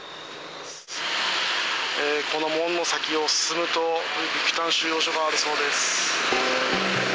この門の先を進むと、ビクタン収容所があるそうです。